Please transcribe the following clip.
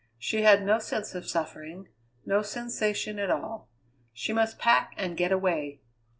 She had no sense of suffering; no sensation at all. She must pack and get away!